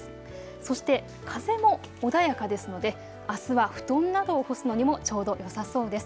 そして、風も穏やかですのであすは布団などを干すのにもちょうどよさそうです。